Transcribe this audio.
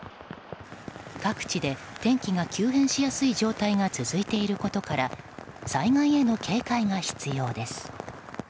各地で天気が急変しやすい状態が続いていることから災害への警戒が必要です。